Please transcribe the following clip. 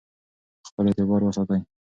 خپل اعتبار وساتئ.